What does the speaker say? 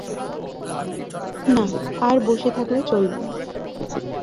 না আর বসে থাকলে চলবেনা।